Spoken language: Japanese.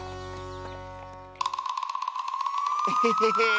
エヘヘヘー！